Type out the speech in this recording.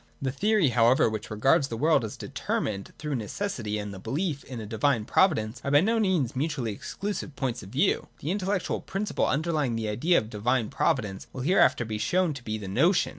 The theory however which regards the world as deter mined through necessity and the belief in a divine provi dence are by no means mutually excluding points of view. The intellectual principle underlying the idea of divine providence will hereafter be shown to be the notion.